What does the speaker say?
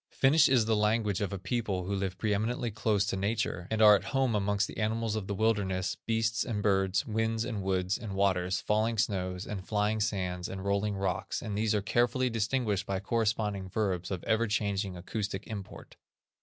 Finnish is the language of a people who live pre eminently close to nature, and are at home amongst the animals of the wilderness, beasts and birds, winds, and woods, and waters, falling snows, and flying sands, and rolling rocks, and these are carefully distinguished by corresponding verbs of ever changing acoustic import.